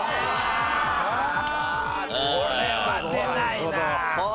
これは出ないなあ。